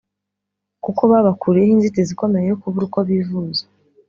kuko babakuriyeho inzitizi ikomeye yo kubura uko bivuza